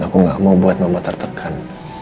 aku gak mau buat mama tertekan